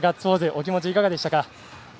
お気持ちいかがでしたか？